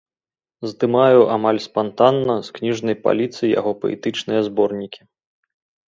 Здымаю амаль спантанна з кніжнай паліцы яго паэтычныя зборнікі.